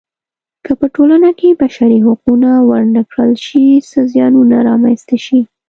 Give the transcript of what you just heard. که په ټولنه کې بشري حقونه ورنه کړل شي څه زیانونه رامنځته شي.